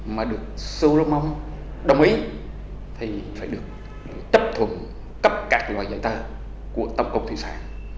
mà được solomon đồng ý thì phải được chấp thuận cấp các loại giấy tờ của tổng cục thủy sản